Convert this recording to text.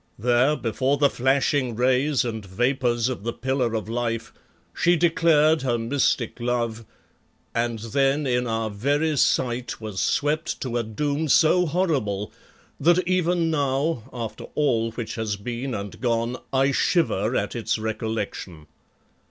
There before the flashing rays and vapours of the Pillar of Life she declared her mystic love, and then in our very sight was swept to a doom so horrible that even now, after all which has been and gone, I shiver at its recollection.